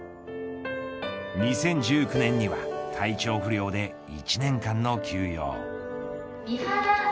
２０１９年には体調不良で１年間の休養。